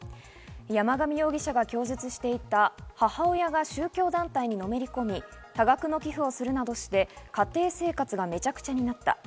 山上容疑者が供述していた母親が宗教団体にのめりこみ、多額の寄付をするなどして家庭生活がめちゃくちゃになった。